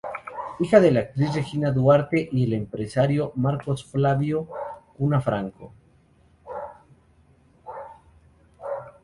Hija de la actriz Regina Duarte y el empresario Marcos Flávio Cunha Franco.